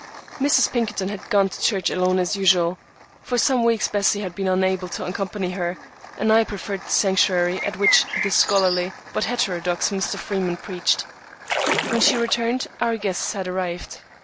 Mrs. Pinkerton had gone to church alone as usual. For some weeks Bessie had been unable to accompany her, and I preferred the sanctuary at which the scholarly, but heterodox, Mr. Freeman preached. When she returned, our guests had arrived.